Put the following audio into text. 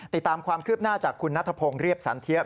ติดตามความคืบหน้าจากคุณนัทพงศ์เรียบสันเทีย